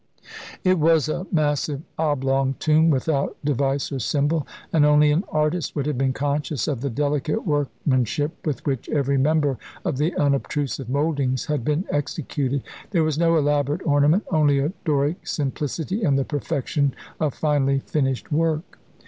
It was a massive, oblong tomb without device or symbol, and only an artist would have been conscious of the delicate workmanship with which every member of the unobtrusive mouldings had been executed. There was no elaborate ornament, only a Doric simplicity, and the perfection of finely finished work.